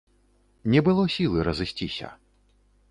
Не было сілы разысціся.